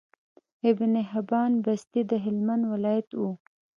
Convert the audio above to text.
ابن حبان بستي د هلمند ولايت وو